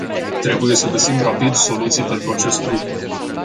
Trebuie să găsim rapid soluții pentru acest lucru.